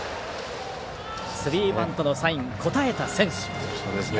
スリーバントのサイン応えた選手。